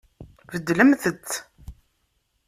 Beddlemt-t.